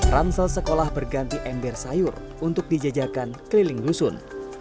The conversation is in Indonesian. ransel sekolah berganti ember sayur untuk dijajakan keliling gusun